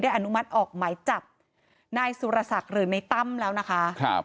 ได้อนุมัติออกไหมจับนายสุรษักรณ์หรือไหนตั้มแล้วนะคะ